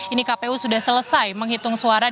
ini kpu sudah selesai menghitung suara